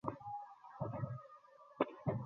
সুতরাং প্রাচীনকালে বৃদ্ধগণ সন্ন্যাস অবলম্বন করিতেন।